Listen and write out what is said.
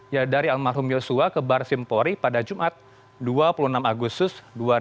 ya dari almarhum yosua ke barsimpori pada jumat dua puluh enam agustus dua ribu dua puluh